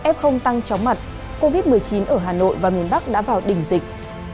f tăng chóng mặt covid một mươi chín ở hà nội và miền bắc đã vào đỉnh dịch